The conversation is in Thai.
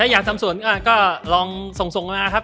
อยากทำสวนก็ลองส่งมาครับ